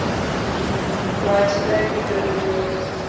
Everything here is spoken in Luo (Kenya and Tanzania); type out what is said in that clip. Wachna gi dholuo